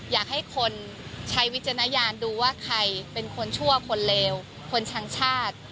อยากให้คนใช้วิจารณญาณดูว่าใครเป็นคนชั่วคนเลวคนช่างชาติ